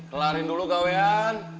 kelarin dulu kawian